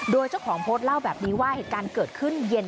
โดยเจ้าของโพสต์เล่าแบบนี้ว่าเหตุการณ์เกิดขึ้นเย็น